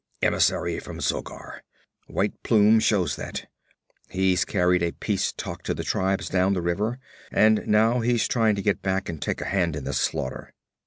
'Emissary from Zogar. White plume shows that. He's carried a peace talk to the tribes down the river and now he's trying to get back and take a hand in the slaughter.'